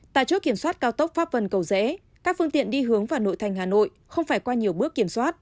tại chốt kiểm soát cao tốc pháp vân cầu rẽ các phương tiện đi hướng vào nội thành hà nội không phải qua nhiều bước kiểm soát